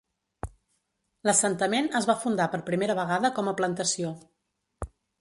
L'assentament es va fundar per primera vegada com a plantació.